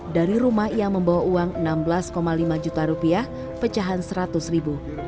dari rumah ia membawa uang enam belas lima juta rupiah pecahan seratus ribu